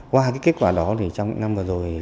qua kết quả đó trong những năm vừa rồi